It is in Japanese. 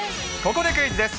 ここでクイズです。